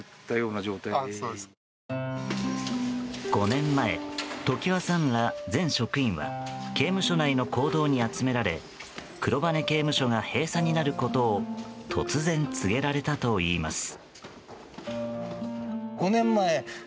５年前、常盤さんら全職員は刑務所内の講堂に集められ黒羽刑務所が閉鎖になることを突然告げられたといいます。